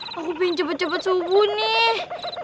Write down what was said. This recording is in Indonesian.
aku pingin cepet cepet subuh nih